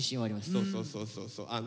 そうそうそうそうそう。